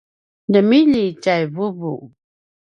ljemilji tjai vuvu